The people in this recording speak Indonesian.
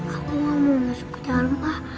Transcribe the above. aku tidak mau masuk ke rumah